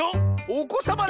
⁉おこさま